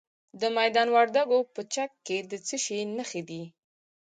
د میدان وردګو په چک کې د څه شي نښې دي؟